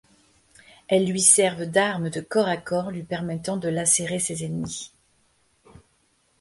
Elles lui servent d'armes de corps à corps, lui permettant de lacérer ses ennemis.